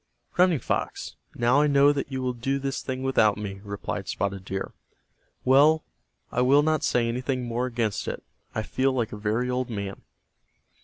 "Running Fox, now I know that you will do this thing without me," replied Spotted Deer. "Well, I will not say anything more against it. I feel like a very old man."